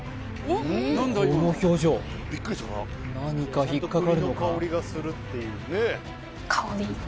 この表情何か引っかかるのか？